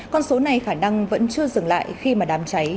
con số này khả năng vẫn chưa dừng lại khi mà đám cháy